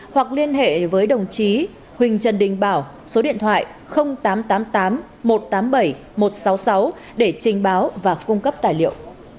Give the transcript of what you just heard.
hoặc liên hệ với đồng chí huỳnh trần đình bảo số điện thoại tám trăm tám mươi tám một trăm tám mươi bảy một trăm sáu mươi sáu để trình báo và cung cấp tài liệu